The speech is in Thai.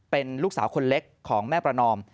เป็นลูกสาวคนเล็กของแม่ประนอม